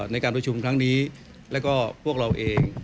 ในการประชุมครั้งนี้แล้วก็พวกเราเอง